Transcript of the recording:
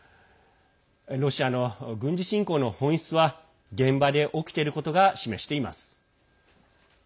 ロシアの軍事侵攻の本質は現場で起きていることが示しています。